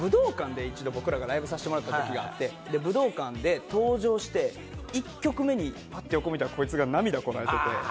武道館で一度ライブをさせてもらったことがあって、武道館で登場して１曲目にパッて横みたらこいつが涙をこらえてて。